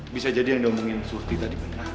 bisa jadi yang udah omongin surti tadi beneran